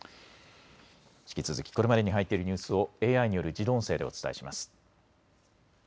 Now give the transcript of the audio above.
引き続きこれまでに入っているニュースをＡＩによる自動音声でお伝えします。